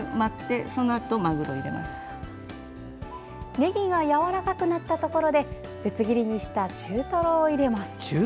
ねぎがやわらかくなったところでぶつ切りにした中トロを入れます。